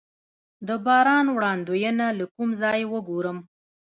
د باران وړاندوینه له کوم ځای وګورم؟